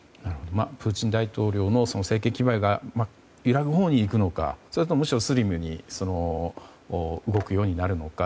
プーチン大統領の政権基盤が揺らぐほうにいくのかそれともむしろスリムに動くようになるのか